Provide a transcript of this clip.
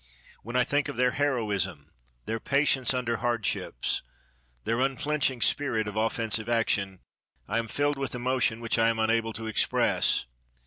When I think of their heroism, their patience under hardships, their unflinching spirit of offensive action, I am filled with emotion which I am unable to express.